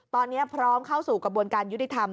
ตอนนี้พร้อมเข้าสู่กระบวนการยุติธรรม